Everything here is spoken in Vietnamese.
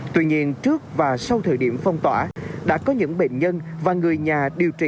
tuy nhiên trước và sau thời điểm phong tỏa đã có những bệnh nhân và người nhà điều trị